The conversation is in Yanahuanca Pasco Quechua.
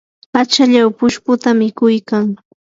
achallaw pushputa mikuykan.